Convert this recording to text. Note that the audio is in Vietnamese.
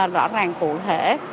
rõ ràng cụ thể